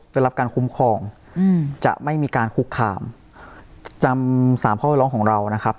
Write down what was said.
ได้รับการคุ้มครองอืมจะไม่มีการคุกคามจำสามข้อร้องของเรานะครับ